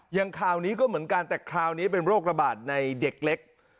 อย่างข่าวนี้ก็เหมือนกันแต่คราวนี้เป็นโรคระบาดในเด็กเล็ก